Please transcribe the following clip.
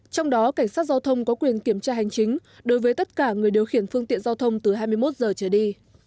trong đó cảnh sát giao thông có quyền kiểm tra hành chính đối với tất cả người điều khiển phương tiện giao thông từ hai mươi một giờ trở đi